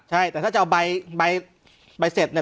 ใช่แต่ถ้าจะเอาใบเสร็จเนี่ย